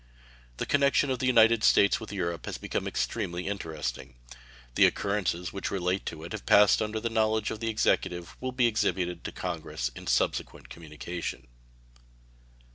The connection of the United States with Europe has become extremely interesting. The occurrences which relate to it and have passed under the knowledge of the Executive will be exhibited to Congress in a subsequent communication.